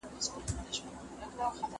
سفیران ولي نړیوالي اړیکي پراخوي؟